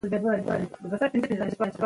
نه د چاپلوسۍ له مخې